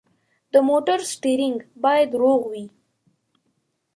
د موټر سټیرینګ باید روغ وي.